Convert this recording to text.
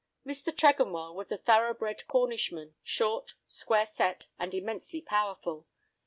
Mr. Tregonwell was a thoroughbred Cornishman, short, square set, and immensely powerful.